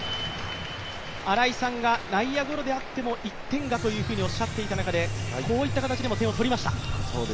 新井さんが内野ゴロであっても１点だとおっしゃっていた中、こういった形でも点を取りました。